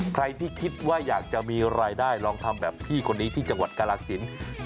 ใครที่คิดว่าอยากจะมีรายได้ลองทำแบบพี่คนนี้ที่จังหวัดกาลสิน